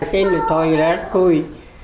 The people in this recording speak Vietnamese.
khi được thôi là rất vui